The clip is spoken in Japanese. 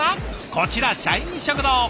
こちら社員食堂。